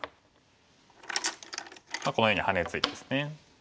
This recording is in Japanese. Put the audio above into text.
このようにハネツイでですね。